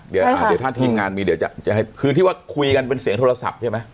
เดี๋ยวถ้าทีมงานมีเดี๋ยวจะให้คืนที่ว่าคุยกันเป็นเสียงโทรศัพท์ใช่ไหม